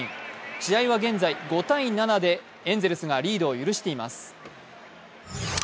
試合は現在５−７でエンゼルスがリードを許しています。